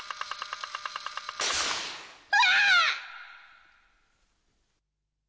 うわ！